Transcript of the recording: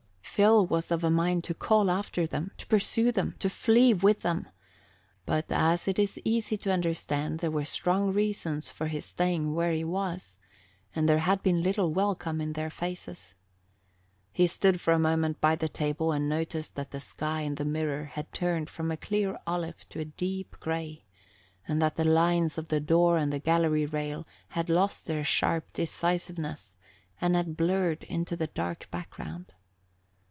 Phil was of a mind to call after them, to pursue them, to flee with them; but as it is easy to understand, there were strong reasons for his staying where he was, and there had been little welcome in their faces. He stood for a moment by the table and noticed that the sky in the mirror had turned from a clear olive to a deep gray and that the lines of the door and the gallery rail had lost their sharp decisiveness and had blurred into the dark background.